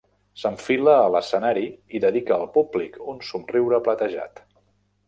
S'enfila a l'escenari i dedica al públic un somriure platejat.